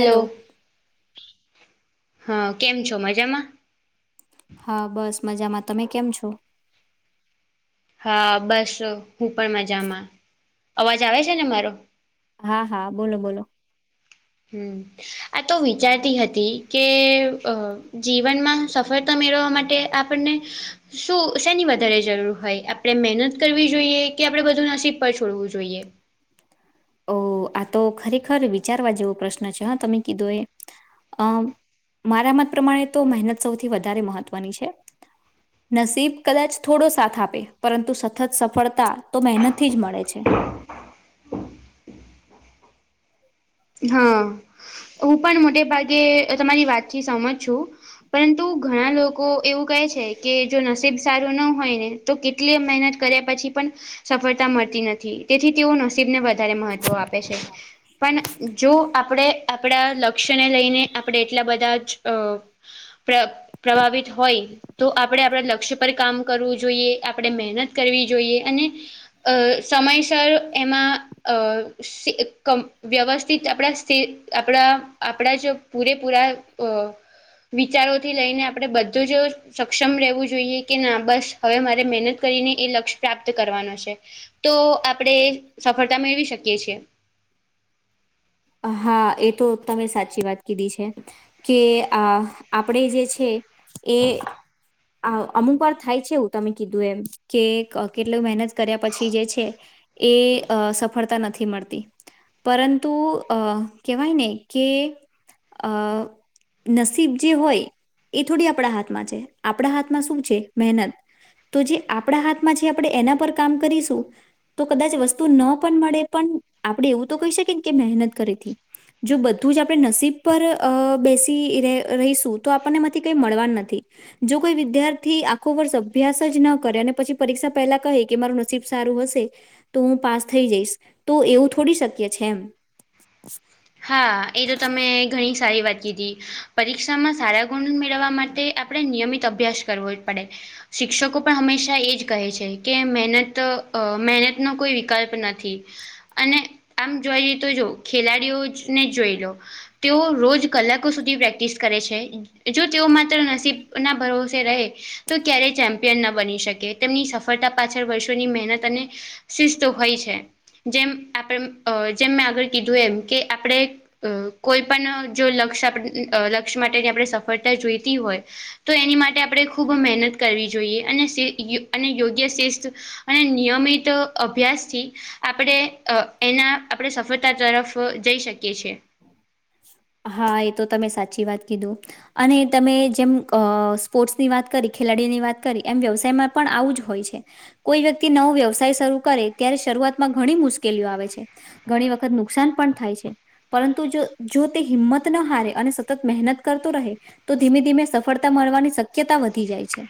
Hello હા કેમ છો મજામાં હા બસ મજામાં તમે કેમ છો હા બસ હું પણ મજામાં અવાજ આવે છે ને મારો હા હા બોલો બોલો હમ આ તો વિચારતી હતી કે જીવનમાં સફળતા મેળવવા માટે આ આપણને શું શેની વધારે જરૂર હોય આપણે મહેનત કરવી જોઈએ કે આપણેે બધું નસીબ પર છોડવું જોઈએ ઓ આ તો ખરેખર વિચારવા જેવો પ્રશ્ન છે હા તમે કીધો એ અ મારા મત પ્રમાણે તો મહેનત સૌથી વધારે મહત્વની છે નસીબ કદાચ થોડો સાથ આપે પરંતુ સતત સફળતા તો મહેનતથી જ મળે છે હા હું પણ મોટે ભાગે તમારી વાતથી સમજ છું પરંતુ ઘણા લોકો એવું કહે છે કે જો નસીબ સારું ન હોય ને તો કેટલી મહેનત કર્યા પછી પણ સફળતા મળતી નથી તેથી તેઓ નસીબને વધારે મહત્વ આપે છે પણ જો આપણે આપણા લક્ષ્યને લઈને આપણે એટલા બધા જ અ પ્રભાવિત હોય તો આપણે આપણા લક્ષ્ય પર કામ કરવું જોઈએ આપણે મહેનત કરવી જોઈએ અને અ સમયસર એમાં અ સી ક વ્યવસ્ સ્થિત આપણા આપણા આપણા જ પૂરેપૂરા અ વિચારોથી લઈને આપડે બધો જે સક્ષમ રહેવું જોઈએ કે ના બસ હવે મારે મહેનત કરીને એ લક્ષ્ય પ્રાપ્ત કરવાનો છે તો આપણેે સફળતા મેળવી શકીએ છીએ હા એ તો તમે સાચી વાત કીધી છે કે આ આપણે જે છે એ આ અમુક વાર થાય છે એું તમે કીધું એમ કે કેટલી મહેનત કર્યા પછી જે છે. એ સફળતા નથી મળતી પરંતુ અ કેહેવાય ને કે અ નસીબ જે હોય એ થોડી આપણા હાથમાં છે આપણા હાથમાં શું છે મહેનત તો જે આપણા હાથમાં જે આપણે એના પર કામ કરીશું તો કદાચ વસ્તુ ન પણ મળે પણ આપણેે એવું તો કહી શકીએ ને કે મહેનત કરીેથી. જો બધું જ આપણે નસીબ પર બેસી રહીશું તો આપણને એમાંથી કઈ મળવાનું નથી. જો કોઈ વિદ્યાર્થી આખો વર્ષ અભ્યાસ જ ન કરે અને પછી પરીક્ષા પહેલા કહે કે મારું નસીબ સારું હશે તો હું પાસ થઈ જઈશ તો એવું થોડી શક્ય છે એમ. [inaudible] હા એ તો તમે ઘણી સારી વાત કીધી પરીક્ષામાં સારા ગુણ મેળવવા માટે આપણે નિયમિત અભ્યાસ કરવો જ પડે. શિક્ષકો પણ હંમેશા એ જ કહે છે કે મહેનત મહેનતનો કોઈ વિકલ્પ નથી. અને આમ જોઈ લ તો જો ખેલાડીઓ જ ને જ જોઈ લો તેઓ રોજ કલાકો સુધી પ્રેક્ટિસ કરે છે. જો તેઓ માત્ર નસીબ ના ભરોસે રહે. તો ક્યારેય ચેમ્પિયન ના બની શકે તેમની સફળતા પાછળ વર્ષોની મહેનત અને શિસ્ત હોય છે જેમ આપ જેમ મેં આગળ કીધું એમ કે આપણે અ કોઈ પણ જો લક્ષ લક્ષ્ય માટેની આપણે સફળતા જોઈતી હોય તો એની માટે આપણે ખૂબ મહેનત કરવી જોઈએ અને અને યોગ્ય શસ્ અને નિયમિત અભ્યાસથી આપણે એના આપણે સફળતા તરફ જઈ શકીએ છ છેએ. હા એ તો તમે સાચી વાત કીધું. અને તમે જેમ અ સ્પોર્ટ્સની વાત કરી ખેલાડીઓની વાત કરી એમ વ્યવસાયમાં પણ આવું જ હોય છે. કોઈ વ્યક્તિ નવો વ્યવસાય શરૂ કરે ત્યારે શરૂઆતમાં ઘણી મુશ્કેલીઓ આવે છે. ઘણી વખત નુકસાન પણ થાય છે પરંતુ જો જો તે હિંમત ન હારે અને સતત મહેનત કરતો રહે તો ધીમે ધીમે સફળતા મળવાની શક્યતા વધી જાય છે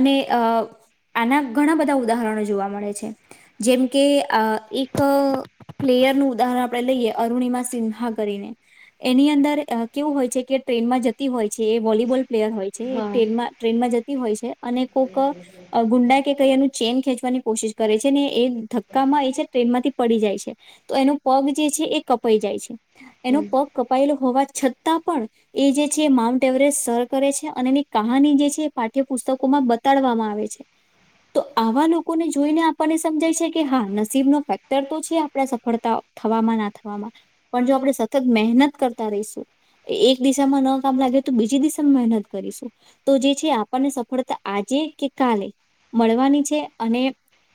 અને અ આના ઘણા બધા ઉદાહરણો જોવા મળે છે. જેમ કે એક પ્લેયર નું ઉદાહરણ આપણે લઈએ અરુણિમા સિન્હા એની અંદર કેવું હોય છે કે ટ્રેનમાં જતી હોય છે એ વોલીબોલ પ્લેયર હોય હા ટ્રેનમાં ટ્રેનમાં જતી હોય છે અને કોક ગુંડાઈ કે કઈ એનું ચેઇન ખેંચવાની કોશિશ કરે છે ને એ ધક્કામાં એ છે ટ્રેનમાંથી પડી જાય છે. તો એનો પગ જે છે એ કપાઈ જાય છે એનો હમ પગ કપાયેલો હોવા છતાં પણ એ જે છે માઉન્ટ એવરેસ્ટ સર કરે છે અને એની કહાની જે છે પાઠ્યપુસ્તકોમાં તડવામાં આવે છે. તો આવા લોકોને જોઈને આપણને સમજાય છે કે હા નસીબ નો ફેક્ટર તો છે આપડા સફળતાઓ થવામાં ના થવામાં પણ જો આપણે સતત મહેનત કરતા રહીશું એક દિશામાં ન કામ લાગે તો બીજી દિશામાં મહેનત કરીશું. તો જે છે આપણને સફળતા આજે કે કાલે મળવાની છે અને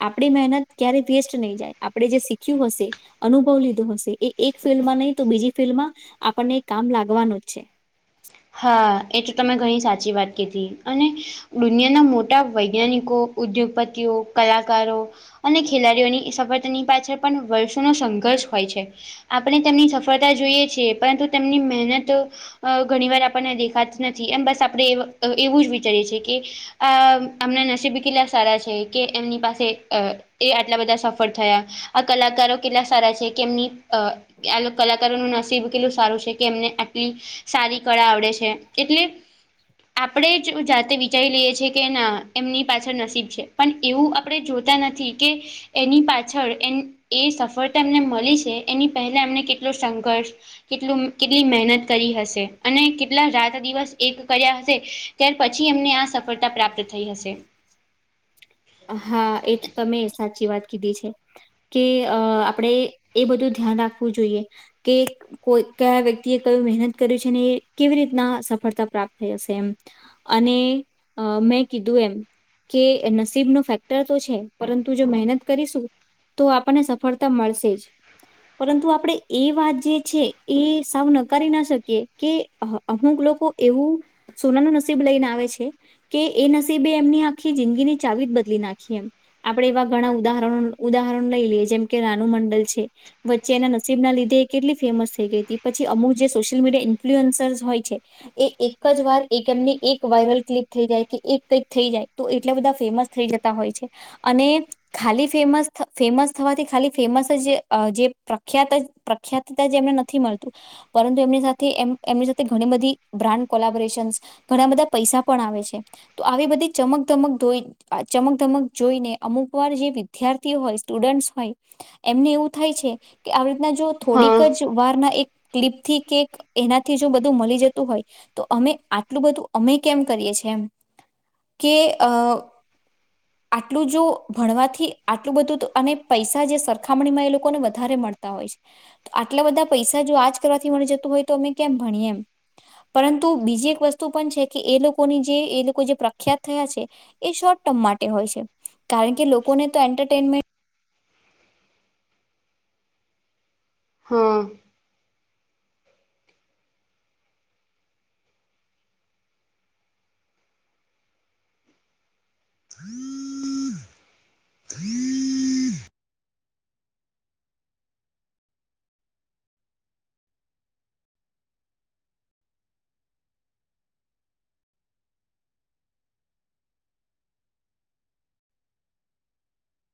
આપણી મહેનત ક્યારે વેસ્ટ નહી જાય આપણે જે શીખ્યું હશે અનુભવ લીધો હશે એ એક ફિલ્ડમાં નહીિ તો બીજી ફિલ્ડ માં આપણને કામ લાગવાનું જ છે. હા એ તો તમે ઘણી સાચી વાત કધી અને દુનિયાના મોટા વૈજ્ઞાનિકો ઉદ્યોગપતિઓ કલાકારો અને ખેલાડીઓની સફળતાની પાછળ પણ વર્ષોનો સંઘર્ષ હોય છે. આપણે તેમની સફળતા જોઈએ છીએ પરંતુ તેમની મહેનત ઘણી વાર આપને દેખાત નથી એમ બસ આપણે એવું જ વિચારીએ છીએ કે આ હમણાં નસીબ કિલ્લા સારા છે કે એમની પાસે અ એ આટલા બધા સફળ થયા આ કલાકારો કેટલા સારા છે કેમની આ કલાકારો નું નસીબ કેટલું સારું છે કે એમને આટલી સારી કળા આવે છે કેટલી આપણે જ જાતે વિચારી લઈએ છ છેીએ કે ના એમની પાછળ નસીબ છે પણ એવું આપણે જોતા નથી કે એની પાછળ એ એ સફળતા એમને મળી છે એની પહેલા એમને કેટલો સંઘર્ષ કેટલું કેટલી મહેનત કરી હશે- અને કેટલા રાત દિવસ એક કર્યા હશે ત્યાર પછી એમને આ સફળતા પ્રાપ્ત થઈ હશે હા -એ -જ તમે સાચી વાત કીધી છે કે અ -આપણેે -ઈ-એ બધું ધ્યાન રાખવું જોઈએ કે કોઈ કયા વ્યક્તિ એ ક્યાં મહેનત કર્યું છે ને કેવી રીતના સફળતા પ્રાપ્ત થઈ હશે એમ અને -અ-મેં- કીધું એમ- કે એમના [unintelligible] શીબ નો ફેક્ટર તો છે પરંતુ જો મહેનત કરીશું -તો આપણને સફળતા મળશે જ પરંતુ આપણેે એ વાત જે છે એ સાવ નકારી ના શકીએ કે-અ-હ અમુક લોકો એવું સોના નો નસીબ લઈને આવે છે કે એ નસીબે એમની આખી જિંદગીની ચાવી જ બદલી નાખીએ એમ- આપણે એવા ઘણા ઉદાહરણો ઉદાહરણ લઈ લઈએ જેમ કે રાનુ મંડલ છે વચ્ચે એના નસીબ ના લીધે એ કેટલી ફેમસ થઈ ગઈ હતી પછી અમુક જે સોશિયલ મીડિયા ઇન્ફ્લુઅન્સર્સ હોય છે એ એક જ વાર એક એમની એક વાયરલ ક્લિપ થઈ જાય કે એક કંઈક થઈ જાય તો એટલા બધા ફેમસ થઈ જતા હોય છે -અને ખાલી ફેમસ થ ફેમસ થવાથી ખાલી ફેમસ જ જે પ્રખ્યાત જ પ્રખ્યાતતા જે એમ ને નથી મળતું પરંતુ એમની સાથે એમ એમની સાથે ઘણી બધી બ્રાન્ડ કોલાબોરેશનસ ઘણા બધા પૈસા પણ આવે છે તો આવી બધી ચમક ધમક ધોઈ આ ચમક ધમક જોઈને અમુક વાર જે વિદ્યાર્થી હોય સ્ટુડન્ટસ હોય એમને એવું થાય છે- કે આવી રીતના જો હા થોડીક જ- વાર ના એક- ક્લિપ થી કે- એનાથી જો બધું મળી જતું હોય તો અમે આટલું બધું અમે કેમ કરીએ છીએ- એમ કે અ- આટલું જો ભણવાથી આટલું બધું તો અને પૈસા જે સરખામણીમાં એ લોકોને વધારે મળતા હોય છે આટલા બધા પૈસા જો આજ કરવાથી મળી જતું હોય તો અમે કેમ ભણીએ એમ પરંતુ બીજી એક વસ્તુ પણ છે કે એ લોકોની જે એ લોકો જે પ્રખ્યાત થયા છે એ શોર્ટ ટર્મ માટે હોય છે -કારણ કે લોકોને તો એન્ટરટેનમેન્ટ હા